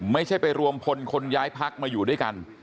ไม่ใช่ไปรวมพลคนย้ายพักมาอยู่ด้วยกัน